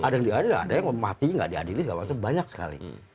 ada yang diadili ada yang mati nggak diadili nggak apa apa banyak sekali